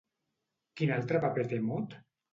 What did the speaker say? Quin altre paper té Mot?